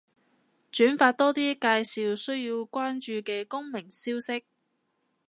轉發多啲介紹需要關注嘅公民消息